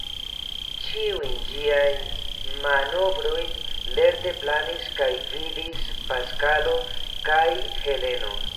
Ĉiujn ĝiajn manovrojn lerte planis kaj gvidis Paskalo kaj Heleno.